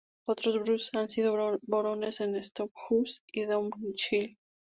Otros Bruce han sido Barones de Stenhouse y de Downhill.